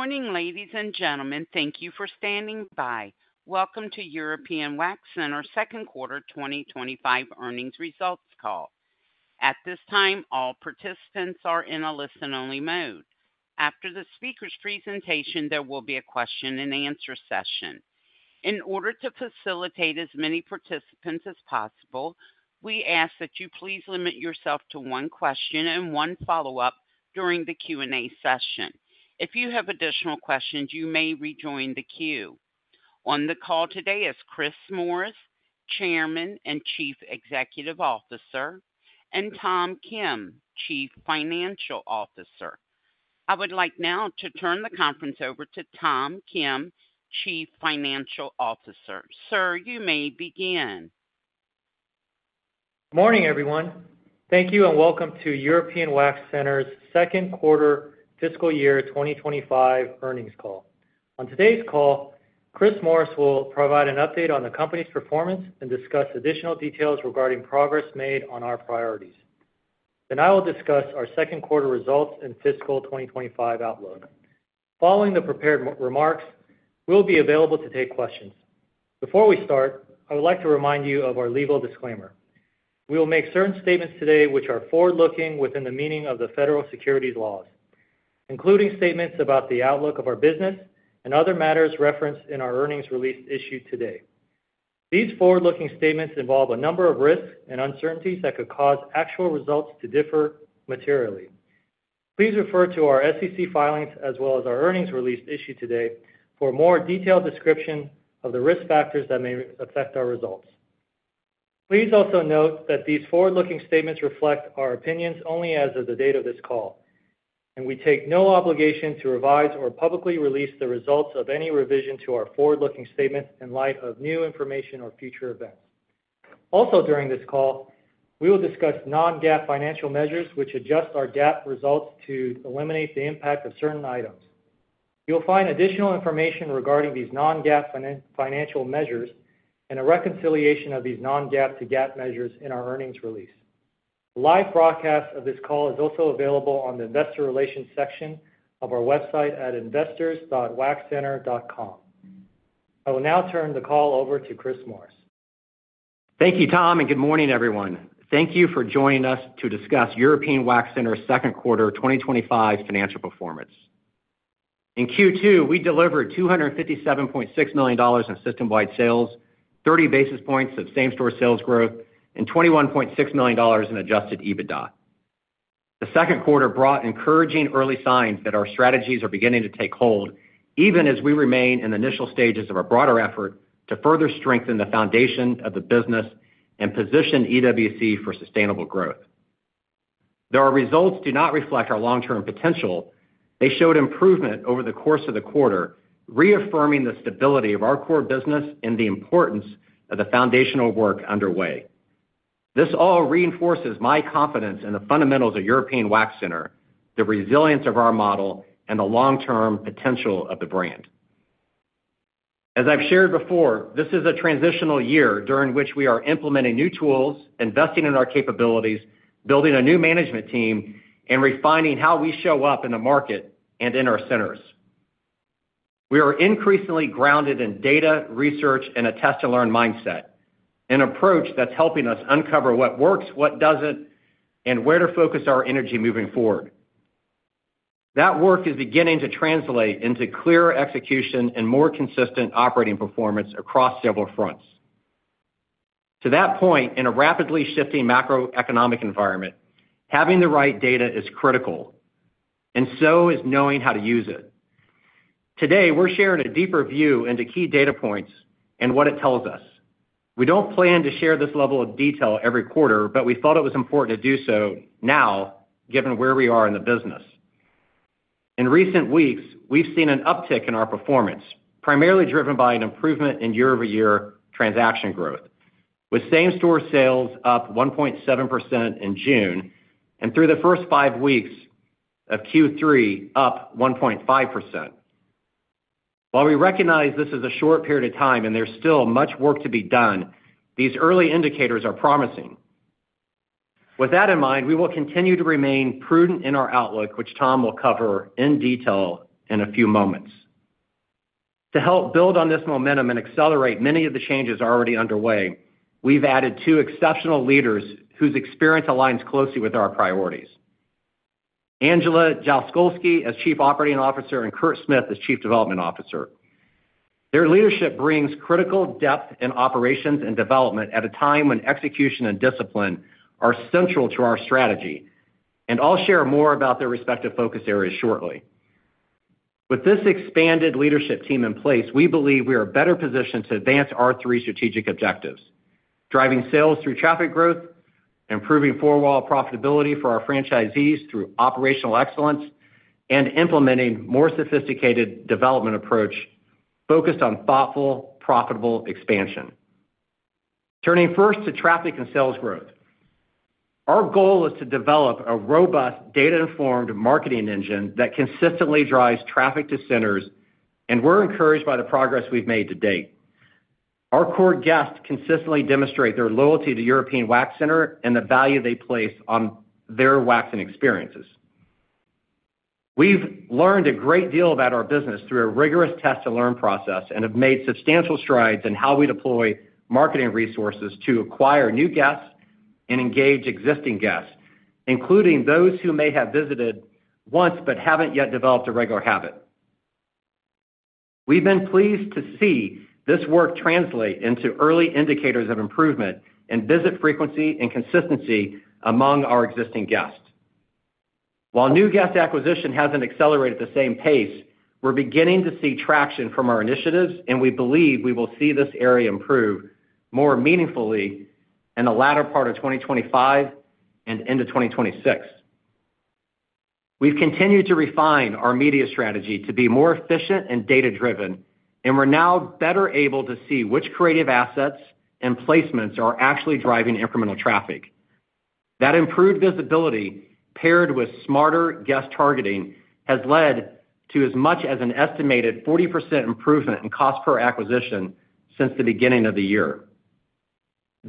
Morning, ladies and gentlemen. Thank you for standing by. Welcome to European Wax Center Second Quarter 2025 Earnings Results Call. At this time, all participants are in a listen-only mode. After the speaker's presentation, there will be a question and answer session. In order to facilitate as many participants as possible, we ask that you please limit yourself to one question and one follow-up during the Q&A session. If you have additional questions, you may rejoin the queue. On the call today is Chris Morris, Chairman and Chief Executive Officer, and Tom Kim, Chief Financial Officer. I would like now to turn the conference over to Tom Kim, Chief Financial Officer. Sir, you may begin. Morning, everyone. Thank you and welcome to European Wax Center's Second Quarter Fiscal Year 2025 Earnings Call. On today's call, Chris Morris will provide an update on the company's performance and discuss additional details regarding progress made on our priorities. I will discuss our second quarter results and fiscal 2025 outlook. Following the prepared remarks, we'll be available to take questions. Before we start, I would like to remind you of our legal disclaimer. We will make certain statements today which are forward-looking within the meaning of the federal securities laws, including statements about the outlook of our business and other matters referenced in our earnings release issued today. These forward-looking statements involve a number of risks and uncertainties that could cause actual results to differ materially. Please refer to our SEC filings as well as our earnings release issued today for a more detailed description of the risk factors that may affect our results. Please also note that these forward-looking statements reflect our opinions only as of the date of this call, and we take no obligation to revise or publicly release the results of any revision to our forward-looking statements in light of new information or future events. Also, during this call, we will discuss non-GAAP financial measures which adjust our GAAP results to eliminate the impact of certain items. You'll find additional information regarding these non-GAAP financial measures and a reconciliation of these non-GAAP to GAAP measures in our earnings release. The live broadcast of this call is also available on the Investor Relations section of our website at investors.waxcenter.com. I will now turn the call over to Chris Morris. Thank you, Tom, and good morning, everyone. Thank you for joining us to discuss European Wax Center's Second Quarter 2025 Financial Performance. In Q2, we delivered $257.6 million in system-wide sales, 30 basis points of same-store sales growth, and $21.6 million in adjusted EBITDA. The second quarter brought encouraging early signs that our strategies are beginning to take hold, even as we remain in the initial stages of a broader effort to further strengthen the foundation of the business and position EWC for sustainable growth. Though our results do not reflect our long-term potential, they showed improvement over the course of the quarter, reaffirming the stability of our core business and the importance of the foundational work underway. This all reinforces my confidence in the fundamentals of European Wax Center, the resilience of our model, and the long-term potential of the brand. As I've shared before, this is a transitional year during which we are implementing new tools, investing in our capabilities, building a new management team, and refining how we show up in the market and in our centers. We are increasingly grounded in data, research, and a test-and-learn mindset, an approach that's helping us uncover what works, what doesn't, and where to focus our energy moving forward. That work is beginning to translate into clearer execution and more consistent operating performance across several fronts. To that point, in a rapidly shifting macroeconomic environment, having the right data is critical, and so is knowing how to use it. Today, we're sharing a deeper view into key data points and what it tells us. We don't plan to share this level of detail every quarter, but we thought it was important to do so now, given where we are in the business. In recent weeks, we've seen an uptick in our performance, primarily driven by an improvement in year-over-year transaction growth, with same-store sales up 1.7% in June and through the first five weeks of Q3 up 1.5%. While we recognize this is a short period of time and there's still much work to be done, these early indicators are promising. With that in mind, we will continue to remain prudent in our outlook, which Tom will cover in detail in a few moments. To help build on this momentum and accelerate many of the changes already underway, we've added two exceptional leaders whose experience aligns closely with our priorities: Angela Jaskolski as Chief Operating Officer and Kurt Smith as Chief Development Officer. Their leadership brings critical depth in operations and development at a time when execution and discipline are central to our strategy, and I'll share more about their respective focus areas shortly. With this expanded leadership team in place, we believe we are better positioned to advance our three strategic objectives: driving sales through traffic growth, improving four-wall profitability for our franchisees through operational excellence, and implementing a more sophisticated development approach focused on thoughtful, profitable expansion. Turning first to traffic and sales growth, our goal is to develop a robust, data-informed marketing engine that consistently drives traffic to centers, and we're encouraged by the progress we've made to date. Our core guests consistently demonstrate their loyalty to European Wax Center and the value they place on their waxing experiences. We've learned a great deal about our business through a rigorous test-and-learn process and have made substantial strides in how we deploy marketing resources to acquire new guests and engage existing guests, including those who may have visited once but haven't yet developed a regular habit. We've been pleased to see this work translate into early indicators of improvement in visit frequency and consistency among our existing guests. While new guest acquisition hasn't accelerated at the same pace, we're beginning to see traction from our initiatives, and we believe we will see this area improve more meaningfully in the latter part of 2025 and into 2026. We've continued to refine our media strategy to be more efficient and data-driven, and we're now better able to see which creative assets and placements are actually driving incremental traffic. That improved visibility, paired with smarter guest targeting, has led to as much as an estimated 40% improvement in cost per acquisition since the beginning of the year.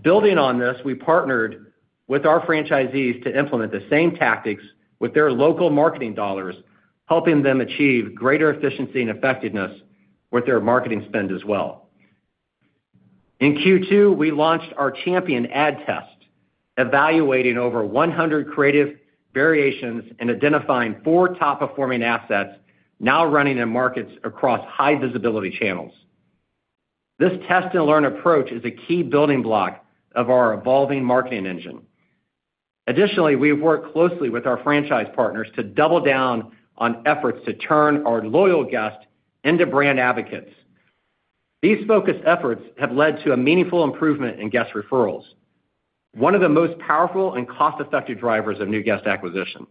Building on this, we partnered with our franchisees to implement the same tactics with their local marketing dollars, helping them achieve greater efficiency and effectiveness with their marketing spend as well. In Q2, we launched our Champion Ad Test, evaluating over 100 creative variations and identifying four top-performing assets now running in markets across high-visibility channels. This test-and-learn approach is a key building block of our evolving marketing engine. Additionally, we've worked closely with our franchise partners to double down on efforts to turn our loyal guests into brand advocates. These focused efforts have led to a meaningful improvement in guest referrals, one of the most powerful and cost-effective drivers of new guest acquisition.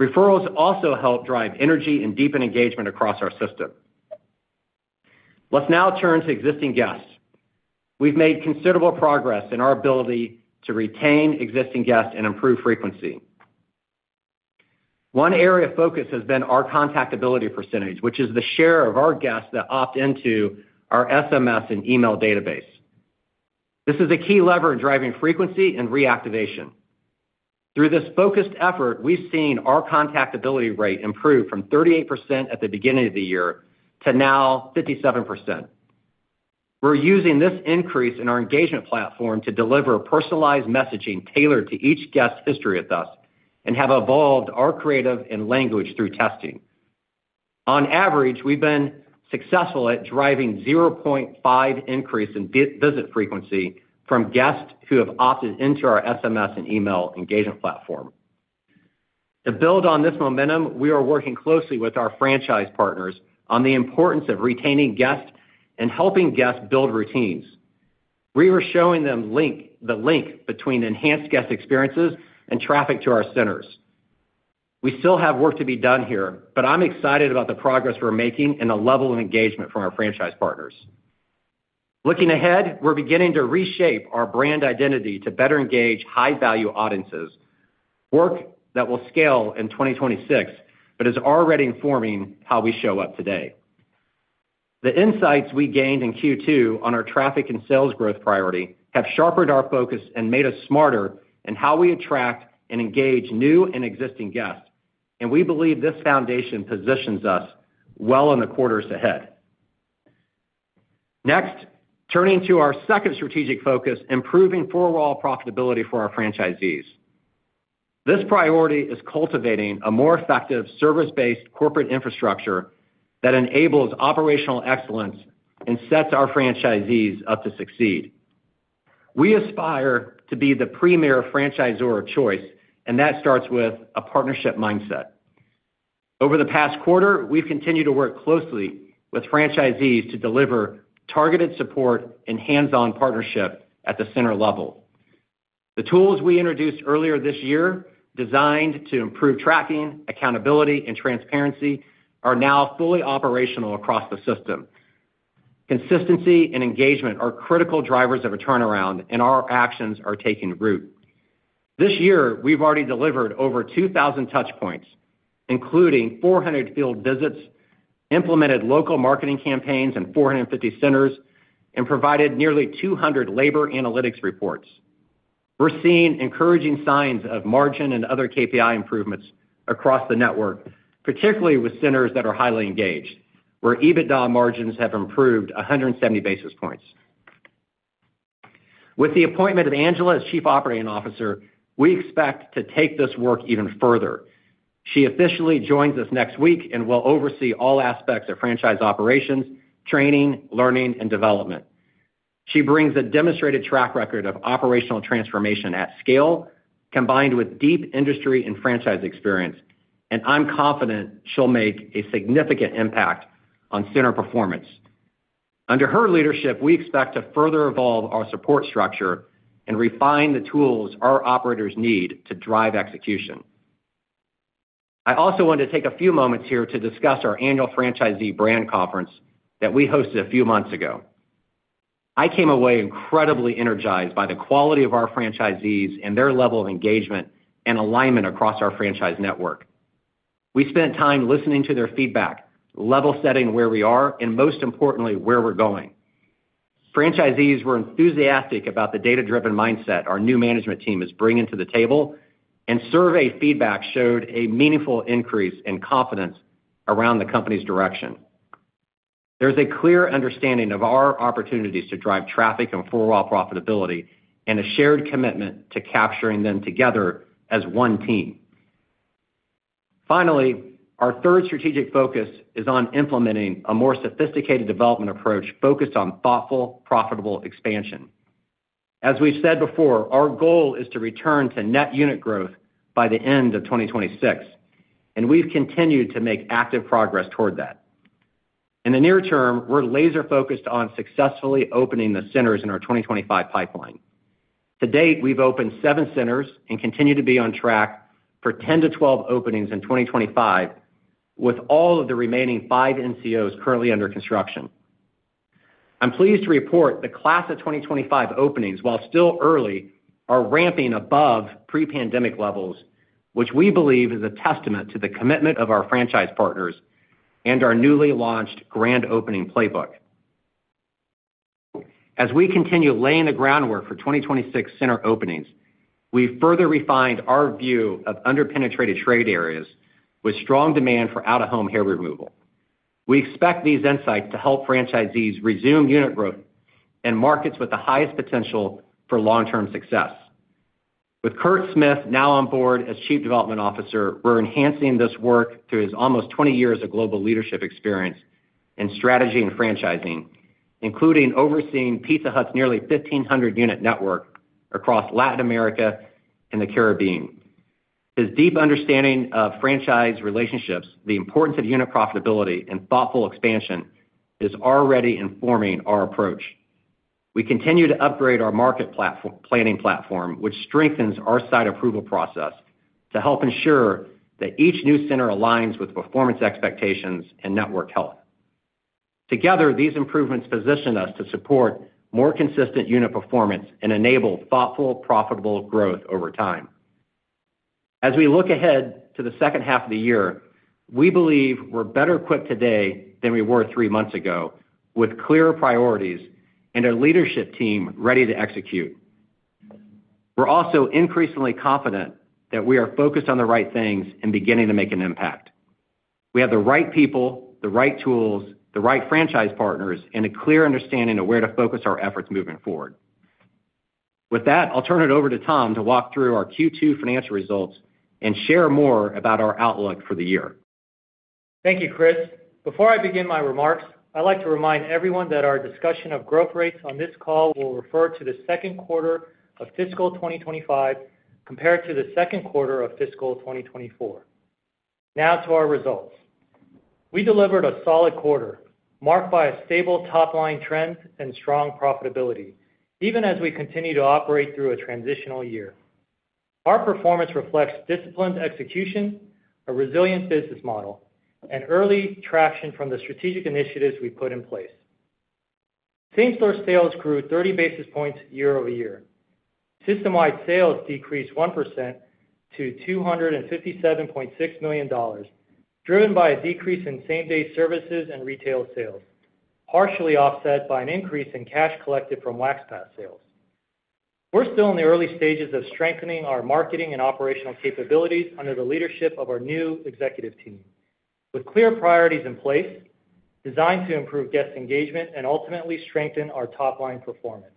Referrals also help drive energy and deepen engagement across our system. Let's now turn to existing guests. We've made considerable progress in our ability to retain existing guests and improve frequency. One area of focus has been our contactability percentage, which is the share of our guests that opt into our SMS and email database. This is a key lever in driving frequency and reactivation. Through this focused effort, we've seen our contactability rate improve from 38% at the beginning of the year to now 57%. We're using this increase in our engagement platform to deliver personalized messaging tailored to each guest's history and have evolved our creative and language through testing. On average, we've been successful at driving a 0.5% increase in visit frequency from guests who have opted into our SMS and email engagement platform. To build on this momentum, we are working closely with our franchise partners on the importance of retaining guests and helping guests build routines. We are showing them the link between enhanced guest experiences and traffic to our centers. We still have work to be done here, but I'm excited about the progress we're making and the level of engagement from our franchise partners. Looking ahead, we're beginning to reshape our brand identity to better engage high-value audiences, work that will scale in 2026 but is already informing how we show up today. The insights we gained in Q2 on our traffic and sales growth priority have sharpened our focus and made us smarter in how we attract and engage new and existing guests, and we believe this foundation positions us well in the quarters ahead. Next, turning to our second strategic focus, improving four-wall profitability for our franchisees. This priority is cultivating a more effective service-based corporate infrastructure that enables operational excellence and sets our franchisees up to succeed. We aspire to be the premier franchisor of choice, and that starts with a partnership mindset. Over the past quarter, we've continued to work closely with franchisees to deliver targeted support and hands-on partnership at the center level. The tools we introduced earlier this year, designed to improve tracking, accountability, and transparency, are now fully operational across the system. Consistency and engagement are critical drivers of a turnaround, and our actions are taking root. This year, we've already delivered over 2,000 touchpoints, including 400 field visits, implemented local marketing campaigns in 450 centers, and provided nearly 200 labor analytics reports. We're seeing encouraging signs of margin and other KPI improvements across the network, particularly with centers that are highly engaged, where EBITDA margins have improved 170 basis points. With the appointment of Angela Jaskolski as Chief Operating Officer, we expect to take this work even further. She officially joins us next week and will oversee all aspects of franchise operations, training, learning, and development. She brings a demonstrated track record of operational transformation at scale, combined with deep industry and franchise experience, and I'm confident she'll make a significant impact on center performance. Under her leadership, we expect to further evolve our support structure and refine the tools our operators need to drive execution. I also want to take a few moments here to discuss our annual franchisee brand conference that we hosted a few months ago. I came away incredibly energized by the quality of our franchisees and their level of engagement and alignment across our franchise network. We spent time listening to their feedback, level-setting where we are, and most importantly, where we're going. Franchisees were enthusiastic about the data-driven mindset our new management team is bringing to the table, and survey feedback showed a meaningful increase in confidence around the company's direction. There's a clear understanding of our opportunities to drive traffic and four-wall profitability and a shared commitment to capturing them together as one team. Finally, our third strategic focus is on implementing a more sophisticated development approach focused on thoughtful, profitable expansion. As we've said before, our goal is to return to net unit growth by the end of 2026, and we've continued to make active progress toward that. In the near term, we're laser-focused on successfully opening the centers in our 2025 pipeline. To date, we've opened seven centers and continue to be on track for 10-12 openings in 2025, with all of the remaining five NCOs currently under construction. I'm pleased to report the class of 2025 openings, while still early, are ramping above pre-pandemic levels, which we believe is a testament to the commitment of our franchise partners and our newly launched Grand Opening Playbook. As we continue laying the groundwork for 2026 center openings, we've further refined our view of underpenetrated trade areas with strong demand for out-of-home hair removal. We expect these insights to help franchisees resume unit growth in markets with the highest potential for long-term success. With Kurt Smith now on board as Chief Development Officer, we're enhancing this work through his almost 20 years of global leadership experience in strategy and franchising, including overseeing Pizza Hut's nearly 1,500-unit network across Latin America and the Caribbean. His deep understanding of franchise relationships, the importance of unit profitability, and thoughtful expansion is already informing our approach. We continue to upgrade our market planning platform, which strengthens our site approval process to help ensure that each new center aligns with performance expectations and network health. Together, these improvements position us to support more consistent unit performance and enable thoughtful, profitable growth over time. As we look ahead to the second half of the year, we believe we're better equipped today than we were three months ago, with clearer priorities and a leadership team ready to execute. We're also increasingly confident that we are focused on the right things and beginning to make an impact. We have the right people, the right tools, the right franchise partners, and a clear understanding of where to focus our efforts moving forward. With that, I'll turn it over to Tom to walk through our Q2 financial results and share more about our outlook for the year. Thank you, Chris. Before I begin my remarks, I'd like to remind everyone that our discussion of growth rates on this call will refer to the second quarter of fiscal 2025 compared to the second quarter of fiscal 2024. Now to our results. We delivered a solid quarter, marked by a stable top-line trend and strong profitability, even as we continue to operate through a transitional year. Our performance reflects disciplined execution, a resilient business model, and early traction from the strategic initiatives we put in place. Same-store sales grew 30 basis points year over year. System-wide sales decreased 1% to $257.6 million, driven by a decrease in same-day services and retail sales, partially offset by an increase in cash collected from Wax Pass sales. We're still in the early stages of strengthening our marketing and operational capabilities under the leadership of our new executive team, with clear priorities in place, designed to improve guest engagement and ultimately strengthen our top-line performance.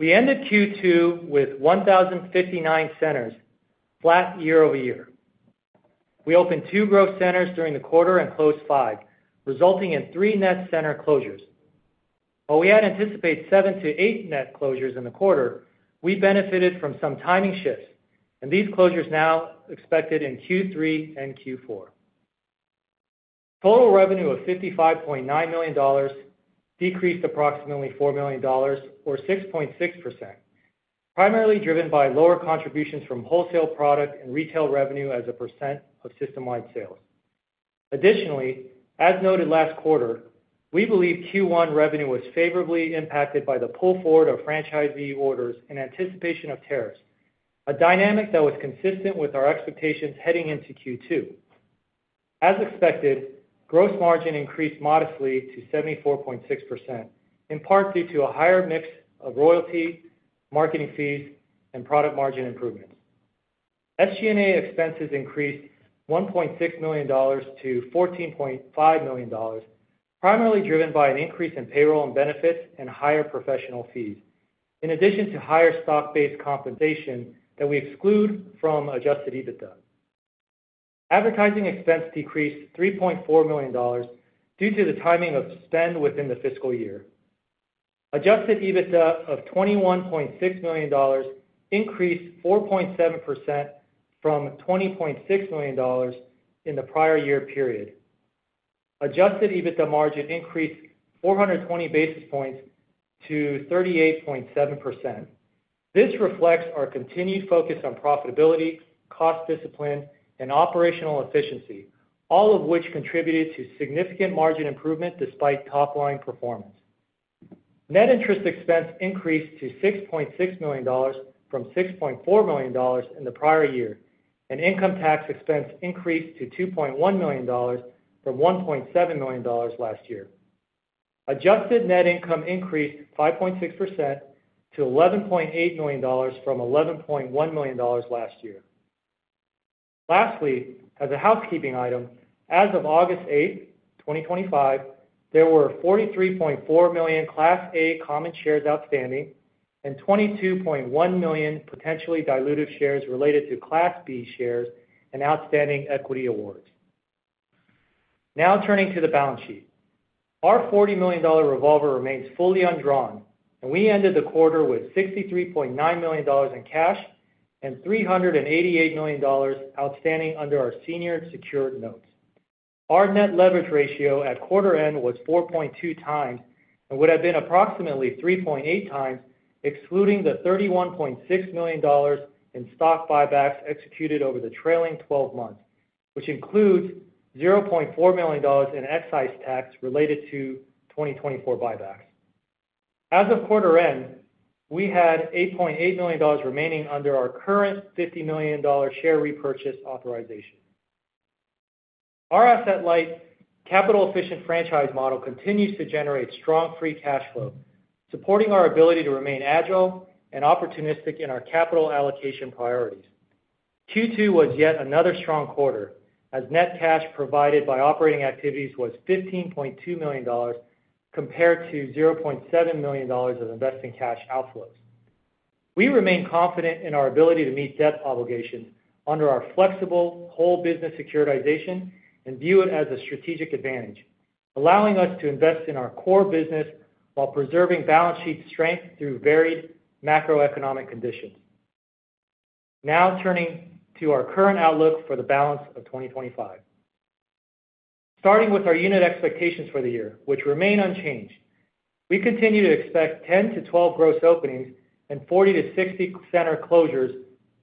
We ended Q2 with 1,059 centers, flat year-over-year. We opened two growth centers during the quarter and closed five, resulting in three net center closures. While we had anticipated seven to eight net closures in the quarter, we benefited from some timing shifts, and these closures are now expected in Q3 and Q4. Total revenue of $55.9 million decreased approximately $4 million, or 6.6%, primarily driven by lower contributions from wholesale products and retail revenue as a percent of system-wide sales. Additionally, as noted last quarter, we believe Q1 revenue was favorably impacted by the pull forward of franchisee orders in anticipation of tariffs, a dynamic that was consistent with our expectations heading into Q2. As expected, gross margin increased modestly to 74.6%, in part due to a higher mix of royalties, marketing fees, and product margin improvement. SG&A expenses increased $1.6 million-$14.5 million, primarily driven by an increase in payroll and benefits and higher professional fees, in addition to higher stock-based compensation that we exclude from adjusted EBITDA. Advertising expense decreased $3.4 million due to the timing of spend within the fiscal year. Adjusted EBITDA of $21.6 million increased 4.7% from $20.6 million in the prior year period. Adjusted EBITDA margin increased 420 basis points to 38.7%. This reflects our continued focus on profitability, cost discipline, and operational efficiency, all of which contributed to significant margin improvement despite top-line performance. Net interest expense increased to $6.6 million from $6.4 million in the prior year, and income tax expense increased to $2.1 million from $1.7 million last year. Adjusted net income increased 5.6% to $11.8 million from $11.1 million last year. Lastly, as a housekeeping item, as of August 8, 2025, there were 43.4 million Class A common shares outstanding and 22.1 million potentially diluted shares related to Class B shares and outstanding equity awards. Now turning to the balance sheet, our $40 million revolver remains fully undrawn, and we ended the quarter with $63.9 million in cash and $388 million outstanding under our senior secured notes. Our net leverage ratio at quarter end was 4.2x and would have been approximately 3.8x, excluding the $31.6 million in stock buybacks executed over the trailing 12 months, which includes $0.4 million in excise tax related to 2024 buybacks. As of quarter end, we had $8.8 million remaining under our current $50 million share repurchase authorization. Our asset-light, capital-efficient franchise model continues to generate strong free cash flow, supporting our ability to remain agile and opportunistic in our capital allocation priorities. Q2 was yet another strong quarter, as net cash provided by operating activities was $15.2 million compared to $0.7 million of investing cash outflows. We remain confident in our ability to meet debt obligations under our flexible whole business securitization and view it as a strategic advantage, allowing us to invest in our core business while preserving balance sheet strength through varied macroeconomic conditions. Now turning to our current outlook for the balance of 2025. Starting with our unit expectations for the year, which remain unchanged, we continue to expect 10-12 growth openings and 40-60 center closures,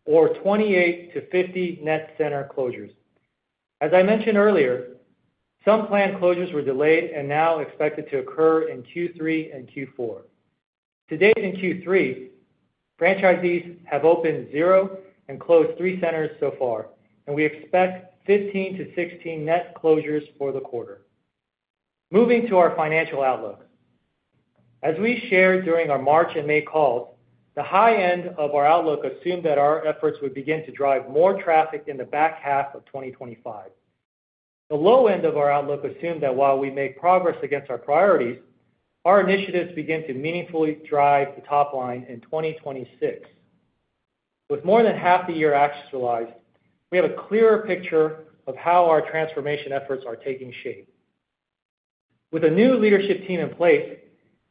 or 28-50 net center closures. As I mentioned earlier, some planned closures were delayed and now expected to occur in Q3 and Q4. To date in Q3, franchisees have opened zero and closed three centers so far, and we expect 15-16 net closures for the quarter. Moving to our financial outlook, as we shared during our March and May calls, the high end of our outlook assumed that our efforts would begin to drive more traffic in the back half of 2025. The low end of our outlook assumed that while we make progress against our priorities, our initiatives begin to meaningfully drive the top line in 2026. With more than half the year actualized, we have a clearer picture of how our transformation efforts are taking shape. With a new leadership team in place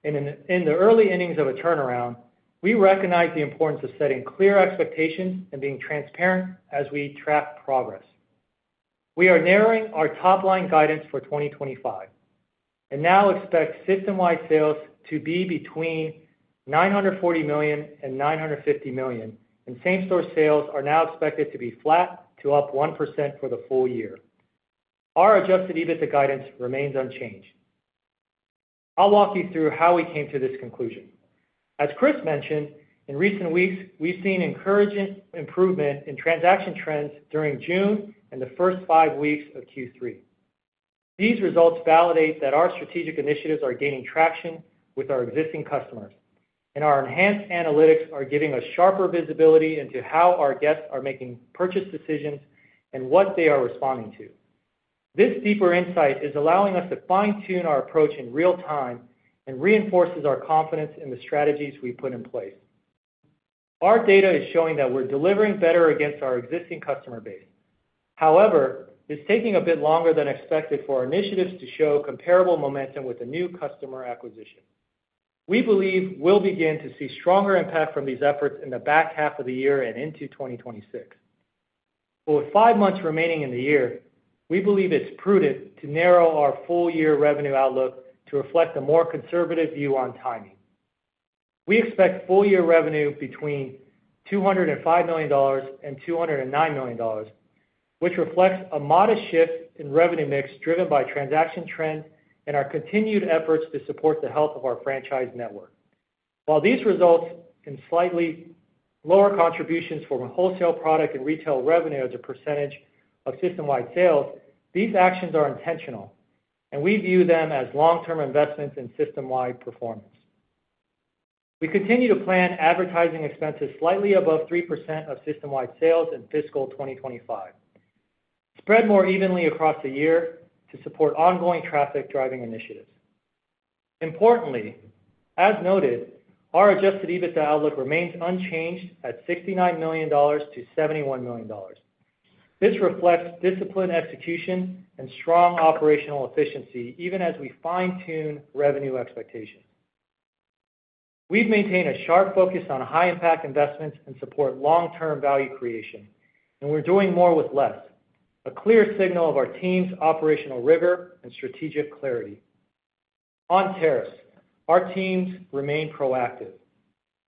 and in the early innings of a turnaround, we recognize the importance of setting clear expectations and being transparent as we track progress. We are narrowing our top-line guidance for 2025 and now expect system-wide sales to be between $940 million and $950 million, and same-store sales are now expected to be flat to up 1% for the full year. Our adjusted EBITDA guidance remains unchanged. I'll walk you through how we came to this conclusion. As Chris mentioned, in recent weeks, we've seen encouraging improvement in transaction trends during June and the first five weeks of Q3. These results validate that our strategic initiatives are gaining traction with our existing customers, and our enhanced analytics are giving us sharper visibility into how our guests are making purchase decisions and what they are responding to. This deeper insight is allowing us to fine-tune our approach in real time and reinforces our confidence in the strategies we put in place. Our data is showing that we're delivering better against our existing customer base. However, it's taking a bit longer than expected for our initiatives to show comparable momentum with the new customer acquisition. We believe we'll begin to see stronger impact from these efforts in the back half of the year and into 2026. With five months remaining in the year, we believe it's prudent to narrow our full-year revenue outlook to reflect a more conservative view on timing. We expect full-year revenue between $205 million and $209 million, which reflects a modest shift in revenue mix driven by transaction trend and our continued efforts to support the health of our franchise network. While these results in slightly lower contributions from wholesale product and retail revenue as a percentage of system-wide sales, these actions are intentional, and we view them as long-term investments in system-wide performance. We continue to plan advertising expenses slightly above 3% of system-wide sales in fiscal 2025, spread more evenly across the year to support ongoing traffic-driving initiatives. Importantly, as noted, our adjusted EBITDA outlook remains unchanged at $69 million-$71 million. This reflects disciplined execution and strong operational efficiency, even as we fine-tune revenue expectations. We've maintained a sharp focus on high-impact investments and support long-term value creation, and we're doing more with less, a clear signal of our team's operational rigor and strategic clarity. On tariffs, our teams remain proactive.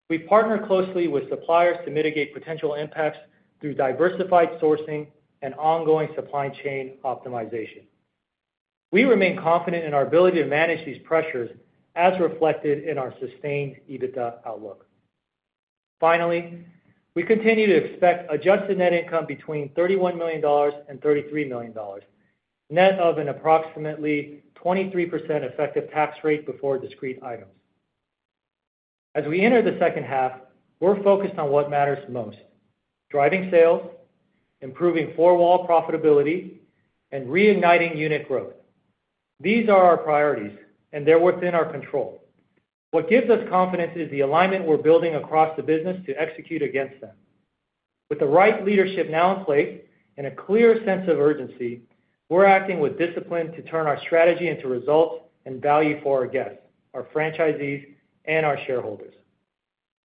We partner closely with suppliers to mitigate potential impacts through diversified sourcing and ongoing supply chain optimization. We remain confident in our ability to manage these pressures, as reflected in our sustained EBITDA outlook. Finally, we continue to expect adjusted net income between $31 million and $33 million, net of an approximately 23% effective tax rate before discrete items. As we enter the second half, we're focused on what matters most: driving sales, improving four-wall profitability, and reigniting unit growth. These are our priorities, and they're within our control. What gives us confidence is the alignment we're building across the business to execute against them. With the right leadership now in place and a clear sense of urgency, we're acting with discipline to turn our strategy into results and value for our guests, our franchisees, and our shareholders.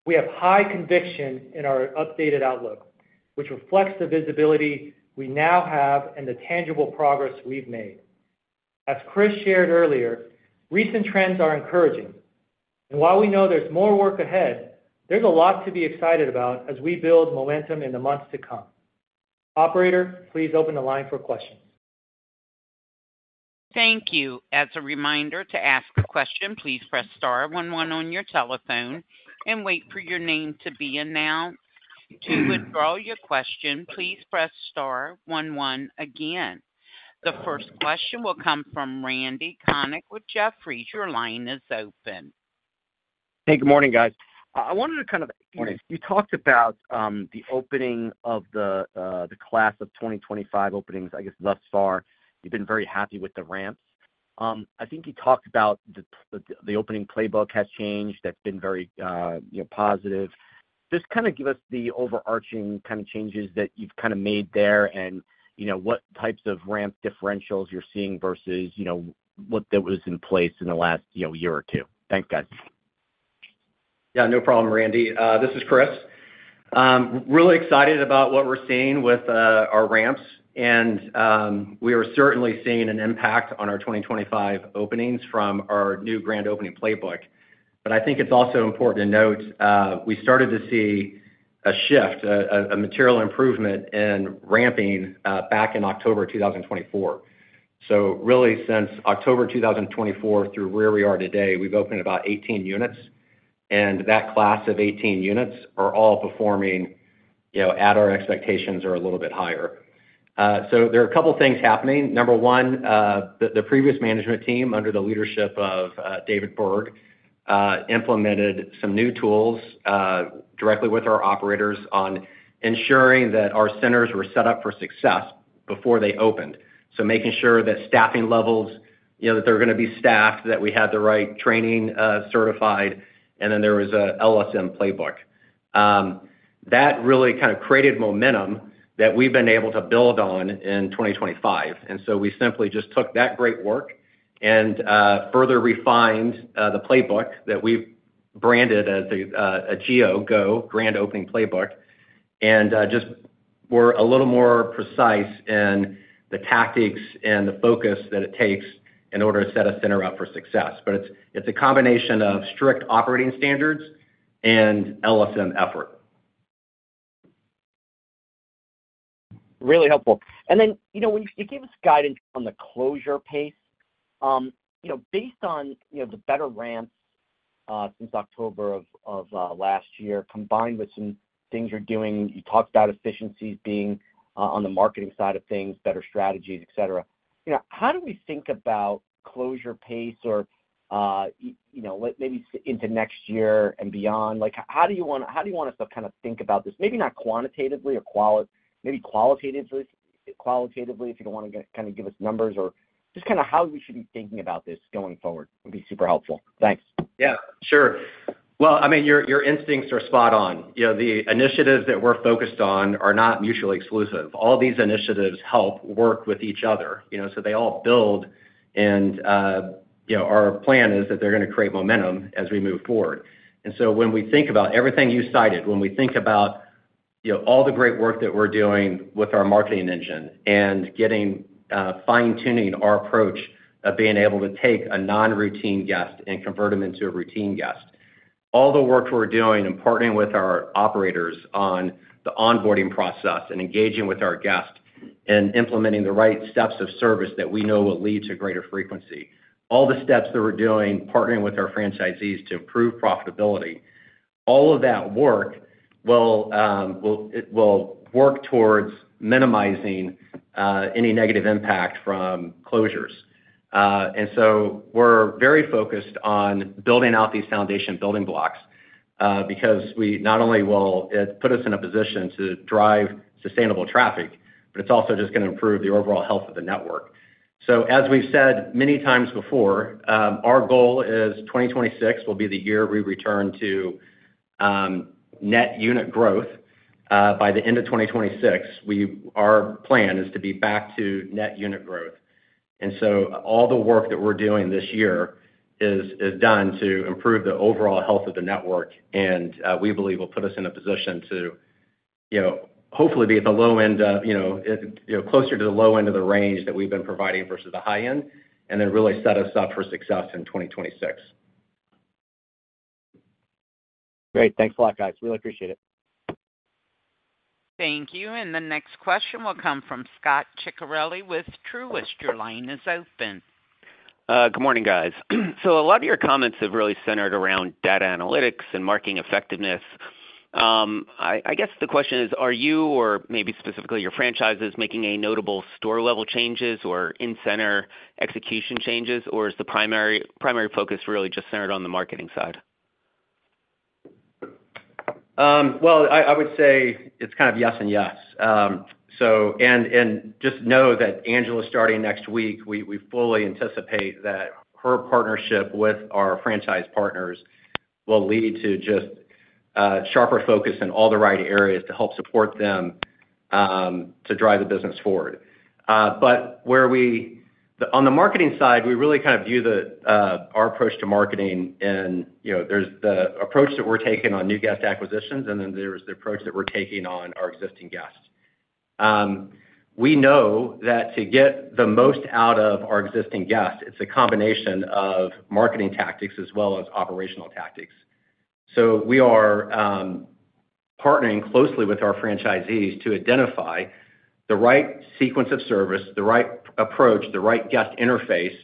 We have high conviction in our updated outlook, which reflects the visibility we now have and the tangible progress we've made. As Chris shared earlier, recent trends are encouraging, and while we know there's more work ahead, there's a lot to be excited about as we build momentum in the months to come. Operator, please open the line for questions. Thank you. As a reminder to ask a question, please press star one one on your telephone and wait for your name to be announced. To withdraw your question, please press star one one again. The first question will come from Randy Konik with Jefferies. Your line is open. Hey, good morning, guys. I wanted to kind of. Morning. You talked about the opening of the class of 2025 openings. You've been very happy with the ramps. I think you talked about the opening playbook has changed, that's been very positive. Just give us the overarching changes that you've made there and what types of ramp differentials you're seeing versus what was in place in the last year or two. Thank you, guys. Yeah, no problem, Randy. This is Chris. Really excited about what we're seeing with our ramps, and we are certainly seeing an impact on our 2025 openings from our new GO, GO, Grand Opening Playbook. I think it's also important to note we started to see a shift, a material improvement in ramping back in October 2024. Really, since October 2024, through where we are today, we've opened about 18 units, and that class of 18 units are all performing at our expectations or a little bit higher. There are a couple of things happening. Number one, the previous management team under the leadership of David Berg implemented some new tools directly with our operators on ensuring that our centers were set up for success before they opened. Making sure that staffing levels, that they're going to be staffed, that we had the right training certified, and then there was an LSM playbook. That really kind of created momentum that we've been able to build on in 2025. We simply just took that great work and further refined the playbook that we've branded as the GO, GO, Grand Opening Playbook, and just were a little more precise in the tactics and the focus that it takes in order to set a center up for success. It's a combination of strict operating standards and LSM effort. Really helpful. When you gave us guidance on the closure pace, based on the better ramp since October of last year combined with some things you're doing, you talked about efficiencies being on the marketing side of things, better strategies, et cetera. How do we think about closure pace or maybe into next year and beyond? How do you want us to kind of think about this? Maybe not quantitatively or maybe qualitatively if you don't want to kind of give us numbers or just kind of how we should be thinking about this going forward would be super helpful. Thanks. Yeah, sure. I mean, your instincts are spot on. The initiatives that we're focused on are not mutually exclusive. All these initiatives help work with each other, so they all build, and our plan is that they're going to create momentum as we move forward. When we think about everything you cited, when we think about all the great work that we're doing with our marketing engine and getting fine-tuning our approach of being able to take a non-routine guest and convert them into a routine guest, all the work we're doing and partnering with our operators on the onboarding process and engaging with our guests and implementing the right steps of service that we know will lead to greater frequency, all the steps that we're doing, partnering with our franchisees to improve profitability, all of that work will work towards minimizing any negative impact from closures. We are very focused on building out these foundation building blocks because not only will it put us in a position to drive sustainable traffic, but it's also just going to improve the overall health of the network. As we've said many times before, our goal is 2026 will be the year we return to net unit growth. By the end of 2026, our plan is to be back to net unit growth. All the work that we're doing this year is done to improve the overall health of the network, and we believe we'll put us in a position to hopefully be at the low end of, you know, closer to the low end of the range that we've been providing versus the high end, and then really set us up for success in 2026. Great. Thanks a lot, guys. Really appreciate it. Thank you. The next question will come from Scot Ciccarelli with Truist. Your line is open. Good morning, guys. A lot of your comments have really centered around data analytics and marketing effectiveness. I guess the question is, are you, or maybe specifically your franchisees, making any notable store-level changes or in-center execution changes, or is the primary focus really just centered on the marketing side? I would say it's kind of yes and yes. Just know that Angela Jaskolski is starting next week. We fully anticipate that her partnership with our franchise partners will lead to sharper focus in all the right areas to help support them to drive the business forward. On the marketing side, we really view our approach to marketing in, you know, there's the approach that we're taking on new guest acquisitions, and then there's the approach that we're taking on our existing guests. We know that to get the most out of our existing guests, it's a combination of marketing tactics as well as operational tactics. We are partnering closely with our franchisees to identify the right sequence of service, the right approach, the right guest interface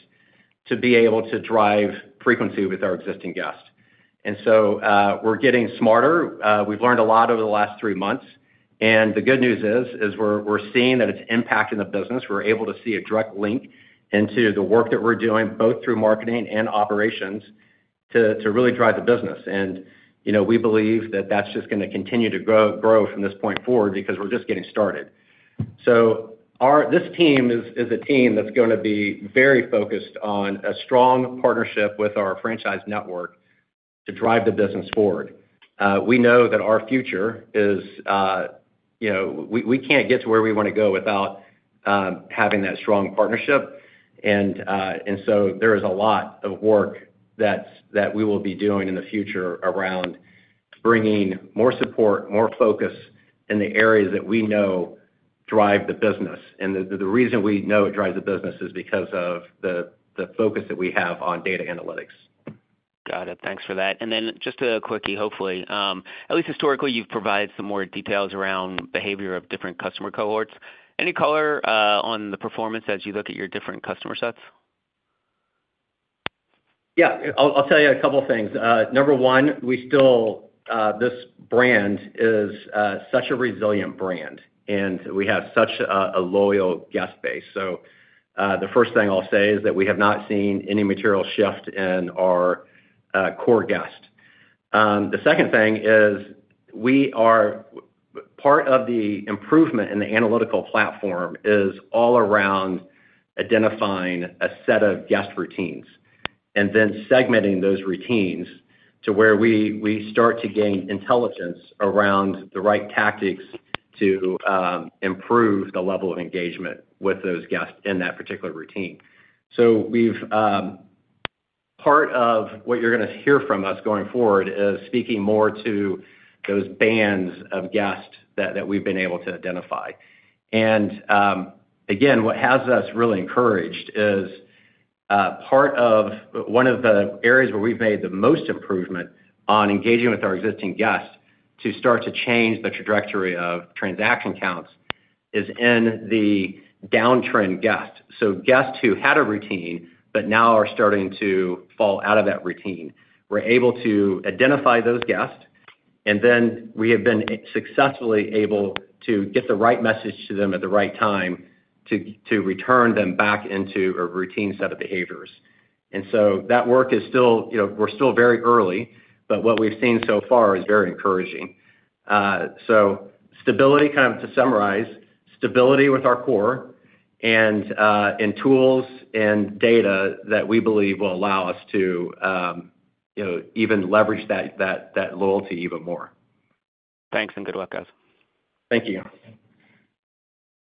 to be able to drive frequency with our existing guests. We're getting smarter. We've learned a lot over the last three months, and the good news is we're seeing that it's impacting the business. We're able to see a direct link into the work that we're doing, both through marketing and operations, to really drive the business. We believe that that's just going to continue to grow from this point forward because we're just getting started. This team is a team that's going to be very focused on a strong partnership with our franchise network to drive the business forward. We know that our future is, you know, we can't get to where we want to go without having that strong partnership. There is a lot of work that we will be doing in the future around bringing more support, more focus in the areas that we know drive the business. The reason we know it drives the business is because of the focus that we have on data analytics. Got it. Thanks for that. Just a quickie, hopefully, at least historically, you've provided some more details around behavior of different customer cohorts. Any color on the performance as you look at your different customer sets? Yeah, I'll tell you a couple of things. Number one, we still, this brand is such a resilient brand, and we have such a loyal guest base. The first thing I'll say is that we have not seen any material shift in our core guest. The second thing is we are part of the improvement in the analytical platform is all around identifying a set of guest routines and then segmenting those routines to where we start to gain intelligence around the right tactics to improve the level of engagement with those guests in that particular routine. Part of what you're going to hear from us going forward is speaking more to those bands of guests that we've been able to identify. What has us really encouraged is part of one of the areas where we've made the most improvement on engaging with our existing guests to start to change the trajectory of transaction counts is in the downtrend guests. Guests who had a routine but now are starting to fall out of that routine, we're able to identify those guests, and then we have been successfully able to get the right message to them at the right time to return them back into a routine set of behaviors. That work is still, you know, we're still very early, but what we've seen so far is very encouraging. Stability, kind of to summarize, stability with our core and tools and data that we believe will allow us to, you know, even leverage that loyalty even more. Thanks and good luck, guys. Thank you.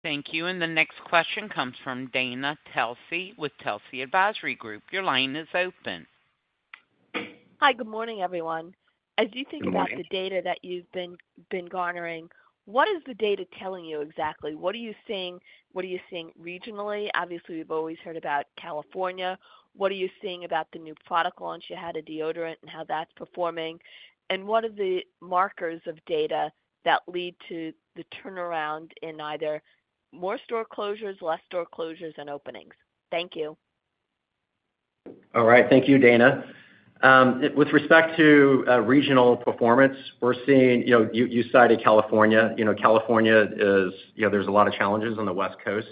Thank you. The next question comes from Dana Telsey with Telsey Advisory Group. Your line is open. Hi, good morning, everyone. As you think about the data that you've been garnering, what is the data telling you exactly? What are you seeing? What are you seeing regionally? Obviously, we've always heard about California. What are you seeing about the new product launch you had, a deodorant, and how that's performing? What are the markers of data that lead to the turnaround in either more store closures, less store closures, and openings? Thank you. All right, thank you, Dana. With respect to regional performance, we're seeing, you cited California. California is, there's a lot of challenges on the West Coast.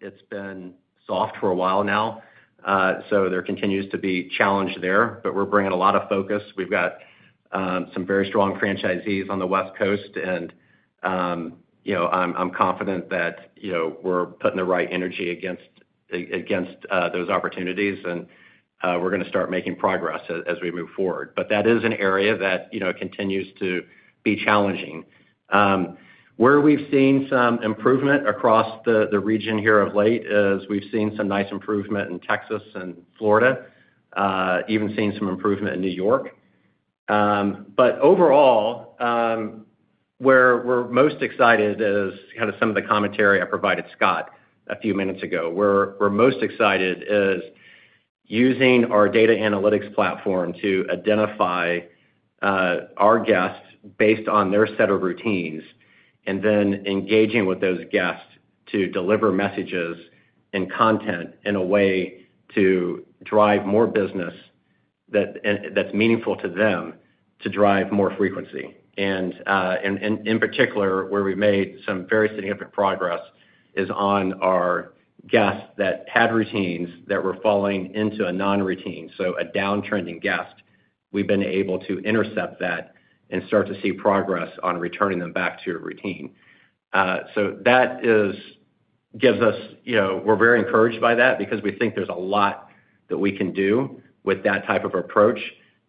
It's been soft for a while now. There continues to be challenge there, but we're bringing a lot of focus. We've got some very strong franchisees on the West Coast, and I'm confident that we're putting the right energy against those opportunities, and we're going to start making progress as we move forward. That is an area that continues to be challenging. Where we've seen some improvement across the region here of late is we've seen some nice improvement in Texas and Florida, even seen some improvement in New York. Overall, where we're most excited is kind of some of the commentary I provided Scot a few minutes ago. Where we're most excited is using our data analytics platform to identify our guests based on their set of routines and then engaging with those guests to deliver messages and content in a way to drive more business that's meaningful to them to drive more frequency. In particular, where we've made some very significant progress is on our guests that had routines that were falling into a non-routine. A downtrending guest, we've been able to intercept that and start to see progress on returning them back to a routine. That gives us, we're very encouraged by that because we think there's a lot that we can do with that type of approach,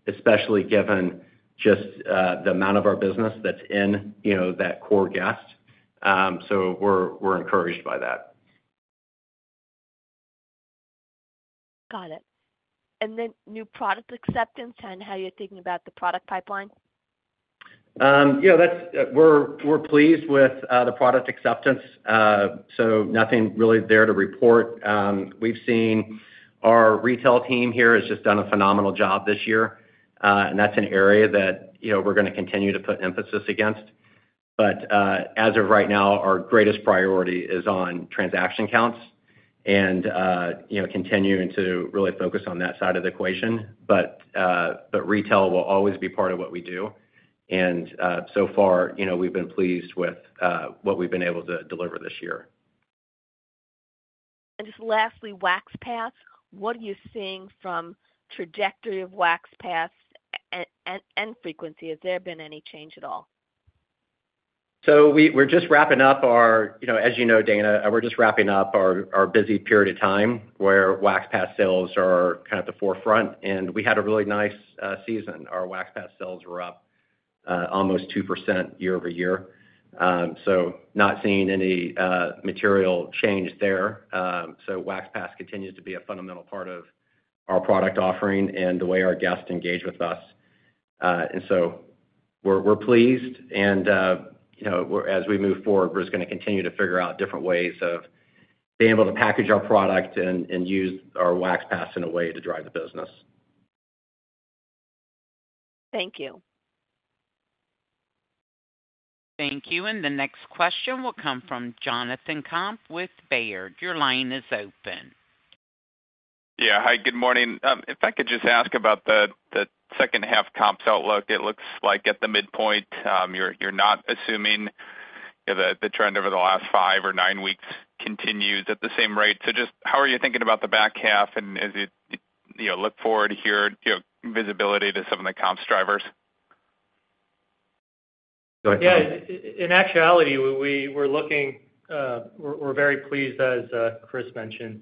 especially given just the amount of our business that's in that core guest. We're encouraged by that. Got it. New product acceptance and how you're thinking about the product pipeline? We're pleased with the product acceptance. Nothing really there to report. We've seen our retail team here has just done a phenomenal job this year, and that's an area that we're going to continue to put emphasis against. As of right now, our greatest priority is on transaction counts and continuing to really focus on that side of the equation. Retail will always be part of what we do, and so far, we've been pleased with what we've been able to deliver this year. Lastly, Wax Pass, what are you seeing from the trajectory of Wax Pass and frequency? Has there been any change at all? As you know, Dana, we're just wrapping up our busy period of time where Wax Pass sales are kind of at the forefront. We had a really nice season. Our Wax Pass sales were up almost 2% year-over-year, so not seeing any material change there. Wax Pass continues to be a fundamental part of our product offering and the way our guests engage with us, so we're pleased. As we move forward, we're just going to continue to figure out different ways of being able to package our product and use our Wax Pass in a way to drive the business. Thank you. Thank you. The next question will come from Jonathan Komp with Baird. Your line is open. Yeah. Hi, good morning. If I could just ask about the second half comps outlook, it looks like at the midpoint, you're not assuming that the trend over the last five or nine weeks continues at the same rate. Just how are you thinking about the back half and is it, you know, look forward here, you know, visibility to some of the comps drivers? In actuality, we're looking, we're very pleased, as Chris mentioned,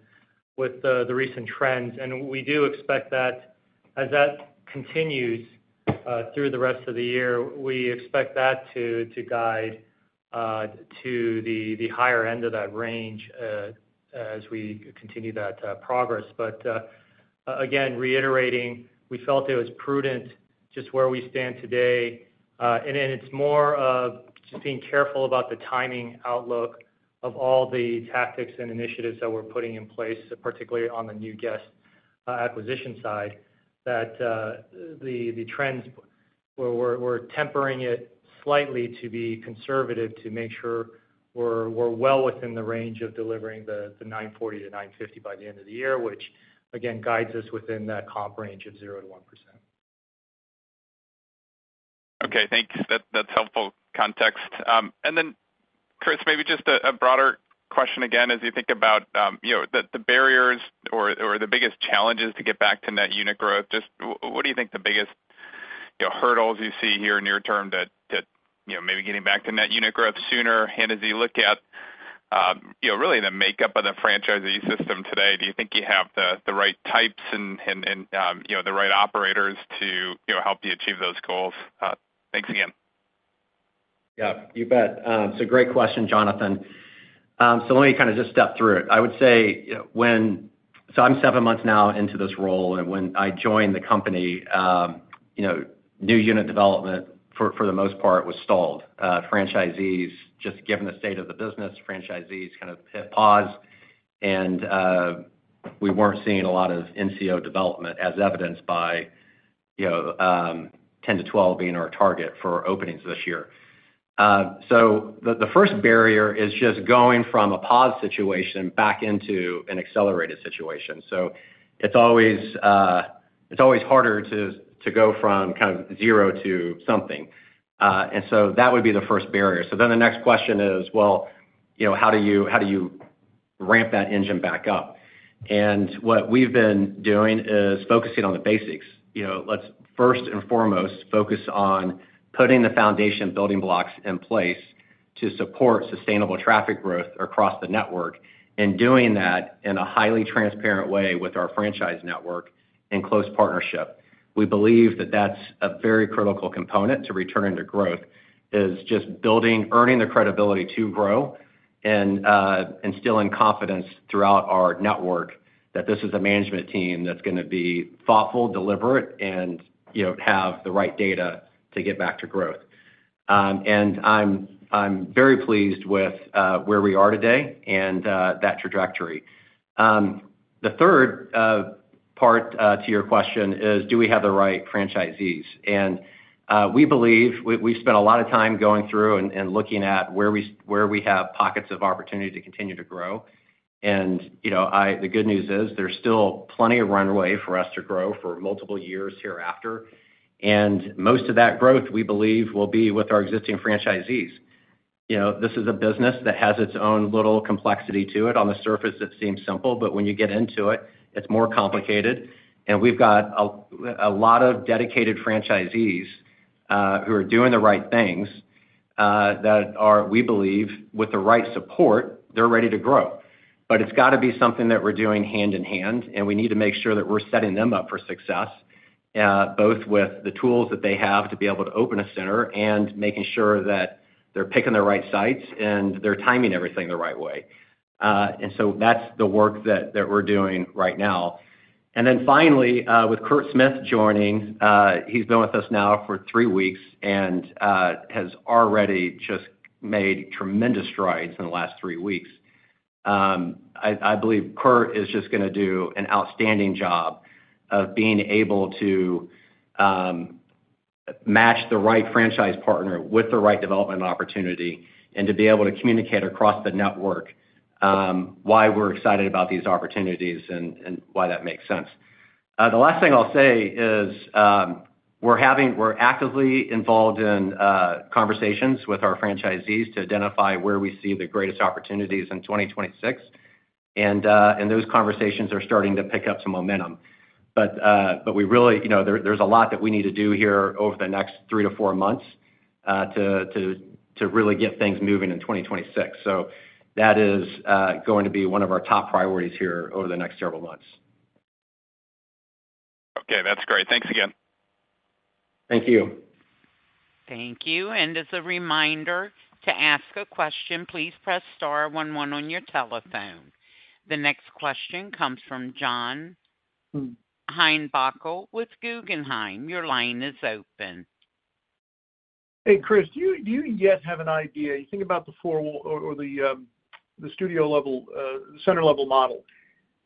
with the recent trends. We do expect that as that continues through the rest of the year, we expect that to guide to the higher end of that range as we continue that progress. Again, reiterating, we felt it was prudent just where we stand today. It's more of just being careful about the timing outlook of all the tactics and initiatives that we're putting in place, particularly on the new guest acquisition side, that the trends where we're tempering it slightly to be conservative to make sure we're well within the range of delivering the $940 million-$950 million by the end of the year, which again guides us within that comp range of 0%-1%. Okay, thanks. That's helpful context. Chris, maybe just a broader question again, as you think about the barriers or the biggest challenges to get back to net unit growth, just what do you think the biggest hurdles you see here in your term to maybe getting back to net unit growth sooner? As you look at, you know, really the makeup of the franchisee system today, do you think you have the right types and the right operators to help you achieve those goals? Thanks again. Yeah, you bet. Great question, Jonathan. Let me kind of just step through it. I would say, you know, I'm seven months now into this role, and when I joined the company, new unit development for the most part was stalled. Franchisees, just given the state of the business, kind of hit pause, and we weren't seeing a lot of new center openings as evidenced by 10-12 being our target for openings this year. The first barrier is just going from a pause situation back into an accelerated situation. It's always harder to go from kind of zero to something. That would be the first barrier. The next question is, how do you ramp that engine back up? What we've been doing is focusing on the basics. Let's first and foremost focus on putting the foundation building blocks in place to support sustainable traffic growth across the network, and doing that in a highly transparent way with our franchise network and close partnership. We believe that that's a very critical component to returning to growth, just building, earning the credibility to grow and instilling confidence throughout our network that this is a management team that's going to be thoughtful, deliberate, and have the right data to get back to growth. I'm very pleased with where we are today and that trajectory. The third part to your question is, do we have the right franchisees? We believe we've spent a lot of time going through and looking at where we have pockets of opportunity to continue to grow. The good news is there's still plenty of runway for us to grow for multiple years hereafter. Most of that growth, we believe, will be with our existing franchisees. This is a business that has its own little complexity to it. On the surface, it seems simple, but when you get into it, it's more complicated. We've got a lot of dedicated franchisees who are doing the right things that are, we believe, with the right support, ready to grow. It's got to be something that we're doing hand in hand, and we need to make sure that we're setting them up for success, both with the tools that they have to be able to open a center and making sure that they're picking the right sites and they're timing everything the right way. That's the work that we're doing right now. With Kurt Smith joining, he's been with us now for three weeks and has already just made tremendous strides in the last three weeks. I believe Kurt is just going to do an outstanding job of being able to match the right franchise partner with the right development opportunity and to be able to communicate across the network why we're excited about these opportunities and why that makes sense. The last thing I'll say is we're actively involved in conversations with our franchisees to identify where we see the greatest opportunities in 2026. Those conversations are starting to pick up some momentum. We really, you know, there's a lot that we need to do here over the next three to four months to really get things moving in 2026. That is going to be one of our top priorities here over the next several months. Okay, that's great. Thanks again. Thank you. Thank you. As a reminder, to ask a question, please press star one one on your telephone. The next question comes from John Heinbockel with Guggenheim. Your line is open. Hey, Chris, do you yet have an idea? You think about the four or the studio level, the center level model,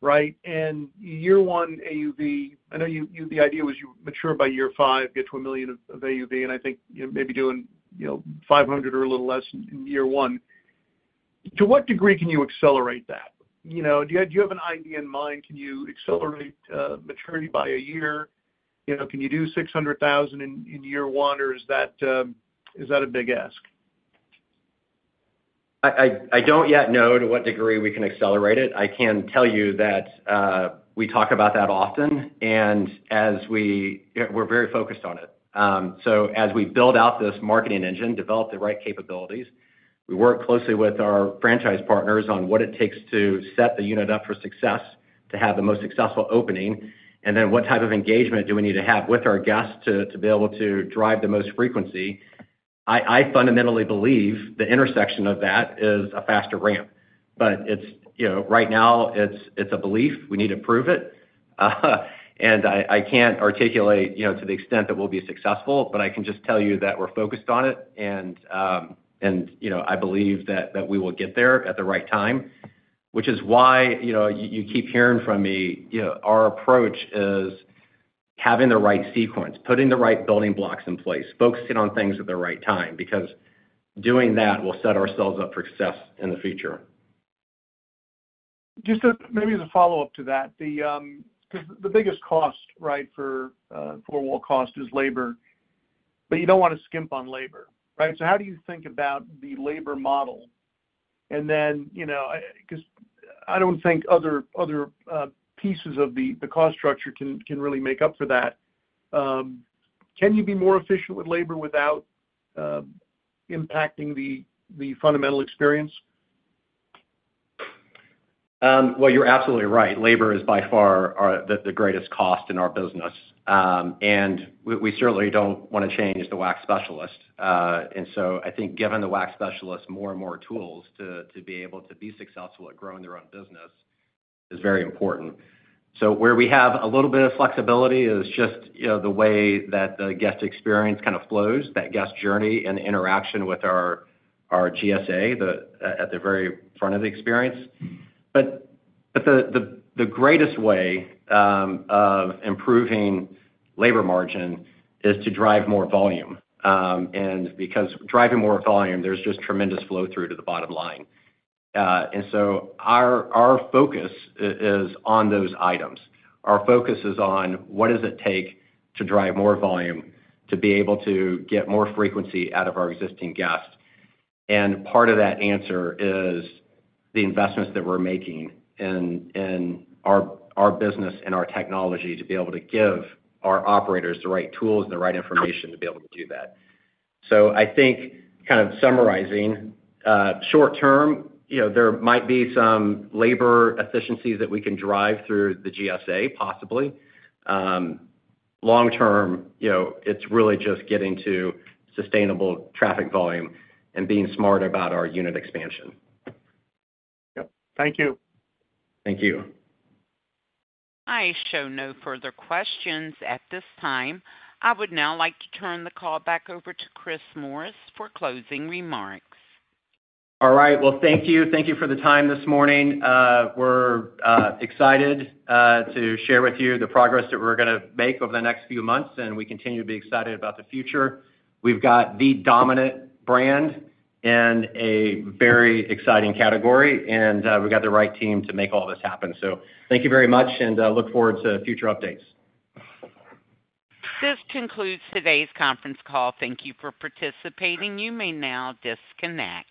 right? Year one AUV, I know the idea was you mature by year five, get to $1 million of AUV, and I think you're maybe doing, you know, $500,000 or a little less in year one. To what degree can you accelerate that? Do you have an idea in mind? Can you accelerate maturity by a year? Can you do $600,000 in year one, or is that a big ask? I don't yet know to what degree we can accelerate it. I can tell you that we talk about that often, and as we are very focused on it. As we build out this marketing engine, develop the right capabilities, we work closely with our franchise partners on what it takes to set the unit up for success to have the most successful opening, and then what type of engagement we need to have with our guests to be able to drive the most frequency. I fundamentally believe the intersection of that is a faster ramp. Right now it's a belief. We need to prove it. I can't articulate to the extent that we'll be successful, but I can just tell you that we're focused on it. I believe that we will get there at the right time, which is why you keep hearing from me our approach is having the right sequence, putting the right building blocks in place, focusing on things at the right time, because doing that will set ourselves up for success in the future. Just maybe as a follow-up to that, because the biggest cost, right, for floor wall cost is labor, but you don't want to skimp on labor, right? How do you think about the labor model? You know, because I don't think other pieces of the cost structure can really make up for that. Can you be more efficient with labor without impacting the fundamental experience? You are absolutely right. Labor is by far the greatest cost in our business. We certainly don't want to change the Wax Specialist, and I think giving the Wax Specialist more and more tools to be able to be successful at growing their own business is very important. Where we have a little bit of flexibility is just the way that the guest experience kind of flows, that guest journey and interaction with our GSA at the very front of the experience. The greatest way of improving labor margin is to drive more volume, because driving more volume, there's just tremendous flow through to the bottom line. Our focus is on those items. Our focus is on what does it take to drive more volume to be able to get more frequency out of our existing guest. Part of that answer is the investments that we're making in our business and our technology to be able to give our operators the right tools and the right information to be able to do that. I think, kind of summarizing, short term, there might be some labor efficiencies that we can drive through the GSA possibly. Long term, it's really just getting to sustainable traffic volume and being smart about our unit expansion. Thank you. Thank you. I show no further questions at this time. I would now like to turn the call back over to Chris Morris for closing remarks. Thank you for the time this morning. We're excited to share with you the progress that we're going to make over the next few months, and we continue to be excited about the future. We've got the dominant brand in a very exciting category, and we've got the right team to make all this happen. Thank you very much, and look forward to future updates. This concludes today's conference call. Thank you for participating. You may now disconnect.